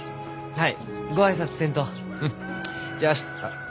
はい。